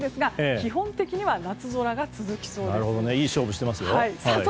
基本的には夏空が続きそうです。